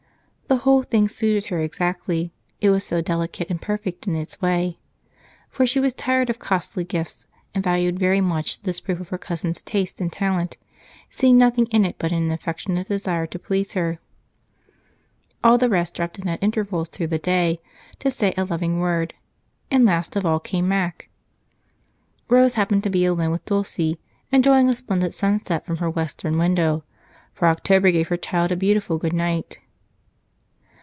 The whole thing suited her exactly, it was so delicate and perfect in its way, for she was tired of costly gifts and valued very much this proof of her cousin's taste and talent, seeing nothing in it but an affectionate desire to please her. All the rest dropped in at intervals through the day to say a loving word, and last of all came Mac. Rose happened to be alone with Dulce, enjoying a splendid sunset from her western window, for October gave her child a beautiful good night.